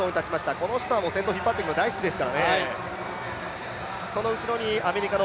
この人は先頭を引っ張っていくのは大好きですからね。